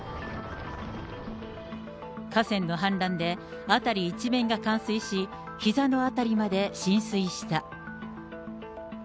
河川の氾濫で、辺り一面が冠水し、ひざの辺りまで浸水した。